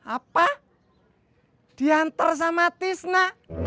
apa dianter sama tisna